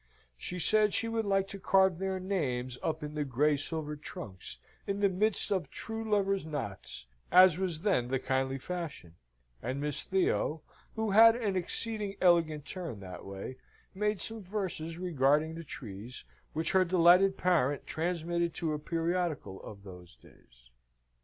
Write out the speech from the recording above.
She said she would like to carve their names up on the grey silvered trunks, in the midst of true lovers' knots, as was then the kindly fashion; and Miss Theo, who had an exceeding elegant turn that way, made some verses regarding the trees, which her delighted parent transmitted to a periodical of those days.